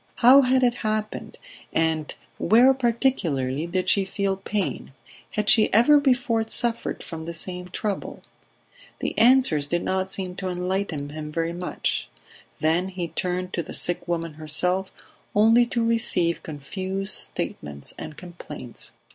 How had it happened, and where, particularly, did she feel pain ... Had she ever before suffered from the same trouble ... The answers did not seem to enlighten him very much; then he turned to the sick woman herself, only to receive confused statements and complaints.